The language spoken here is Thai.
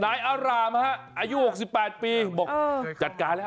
นายอารามฮะอายุ๖๘ปีจัดการแล้ว